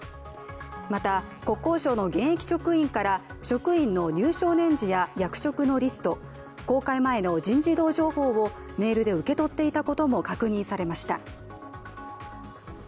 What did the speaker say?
また国交省の現役職員から職員の入省年次や役職のリスト公開前の人事異動情報もメールで受け取っていたことも確認されました